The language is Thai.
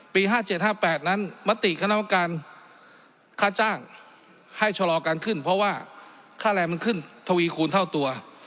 ๕๗๕๘นั้นมติคณะกรรมการค่าจ้างให้ชะลอการขึ้นเพราะว่าค่าแรงมันขึ้นทวีคูณเท่าตัว